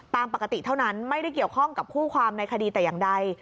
ตามปกติเท่านั้นไม่ได้เกี่ยวข้องกับคู่ความในคดีแต่อย่างใด